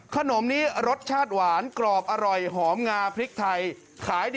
ขนมนี้รสชาติหวานกรอบอร่อยหอมงาพริกไทยขายดี